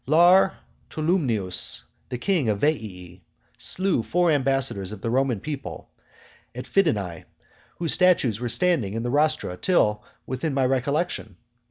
II. Lar Tolumnius, the king of Veii, slew four ambassadors of the Roman people, at Fidenae, whose statues were standing in the rostra till within my recollection.